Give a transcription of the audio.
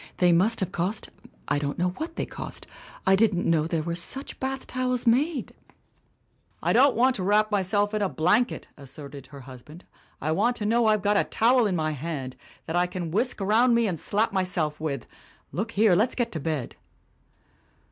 They must have cost I don't know what they cost I didn't know there were such bath towels made !'" 'I don't want to wrap myself in a blanket,' as serted her husband. 'I want to know I've got a towel GRACE S. RICHMOND 251 in my hand, that I can whisk round me and slap myself with. Look here, let's get to bed.